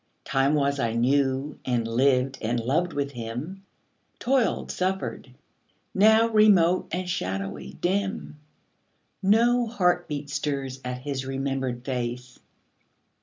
Time was I knew, and lived and loved with him; Toiled, suffered. Now, remote and shadowy, dim, No heartbeat stirs at his remembered face.